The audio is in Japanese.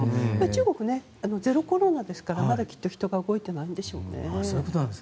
中国はゼロコロナですからまだきっと人が動いてないんでしょうね。